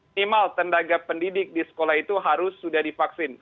minimal tenaga pendidik di sekolah itu harus sudah divaksin